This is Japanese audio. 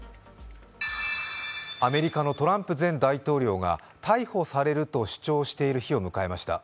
アメリカのトランプ前大統領が逮捕されると主張している日を迎えました。